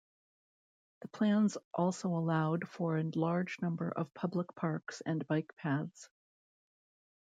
The plans also allowed for a large number of public parks and bike paths.